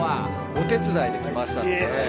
お手伝いで来ましたので。